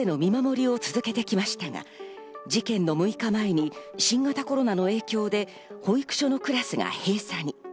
また保育所での見守りを続けてきましたが、事件の６日前に新型コロナの影響で保育所のクラスが閉鎖に。